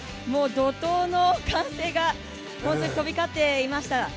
怒とうの歓声が飛び交っていました。